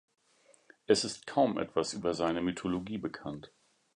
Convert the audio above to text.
Es ist kaum etwas über seine Mythologie bekannt.